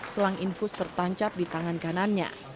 selang infus tertancap di tangan kanannya